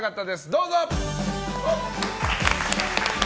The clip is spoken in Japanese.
どうぞ。